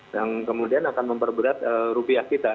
dan kemudian akan memperberat rupiah kita